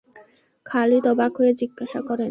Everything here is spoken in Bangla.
খালিদ অবাক হয়ে জিজ্ঞাসা করেন।